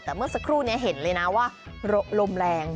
แต่เมื่อสักครู่นี้เห็นเลยนะว่าลมแรง